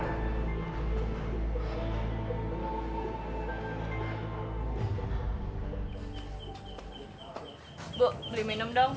bu beli minum dong